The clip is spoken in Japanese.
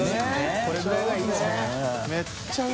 これぐらいがいいね。